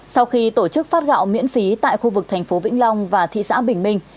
sau khi tổ chức phát gạo miễn phí tại khu vực thành phố vĩnh long và thị xã bình minh